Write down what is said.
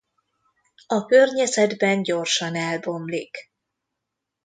A környezetben gyorsan elbomlik.